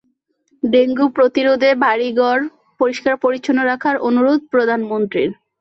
Dengue প্রতিরোধে বাড়িঘর পরিষ্কার-পরিচ্ছন্ন রাখার অনুরোধ প্রধানমন্ত্রীর।